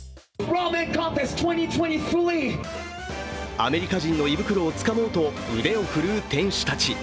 アメリカ人に胃袋をつかもうと腕を振るう店主たち。